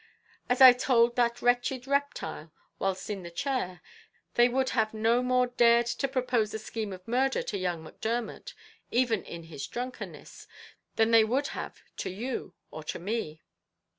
As I told that wretched reptile, whilst in the chair, they would have no more dared to propose a scheme of murder to young Macdermot, even in his drunkenness, than they would have to you or to me.